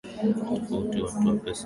Tafuta watu pesa huisha